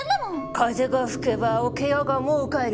「風が吹けば桶屋が儲かる」。